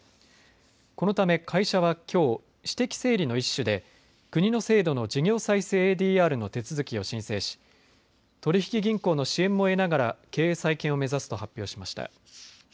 このため会社はきょう私的整理の一種で国の制度の事業再生ＡＤＲの手続きを申請し、取引銀行の支援も得ながら経営再建を目指すと発表しました。